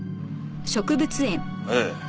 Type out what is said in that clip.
ええ。